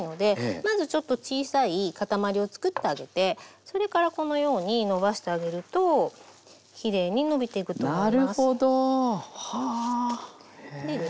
まずちょっと小さい塊をつくってあげてそれからこのようにのばしてあげるときれいにのびていくと思います。